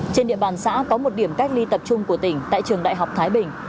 trên địa bàn xã có một điểm cách ly tập trung của tỉnh tại trường đại học thái bình